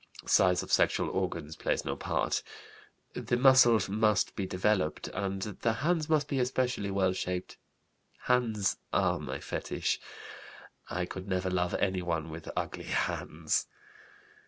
Size of sexual organs plays no part. The muscles must be developed and the hands must be especially well shaped. Hands are my fetish. (I could never love anyone with ugly hands.)